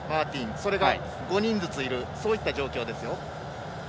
それが５人ずついるそういった状況ですよ。